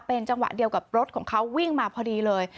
เป็นจังหวะเดียวกับรถของเขาวิ่งมาพอดีเลย